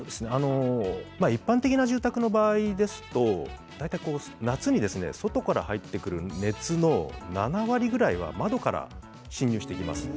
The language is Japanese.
一般的な住宅の場合ですと夏に外から入ってくる熱の７割ぐらいは窓から侵入してきます。